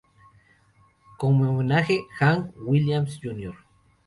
Como homenaje, Hank Williams Jr.